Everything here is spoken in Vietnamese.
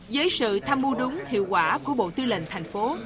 với sự tham mưu đúng hiệu quả của bộ tư lệnh thành phố